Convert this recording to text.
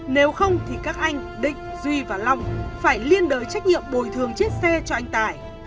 nếu không thì các anh định duy và long phải liên đời trách nhiệm bồi thường chiếc xe cho anh tài